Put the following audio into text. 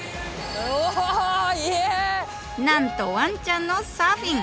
なんとわんちゃんのサーフィン！